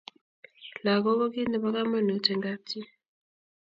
langok ko kit nebo kamangut eng kap chi